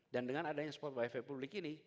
dan dengan adanya spot wifi publik ini